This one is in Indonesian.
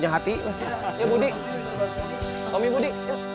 ya budi tommy budi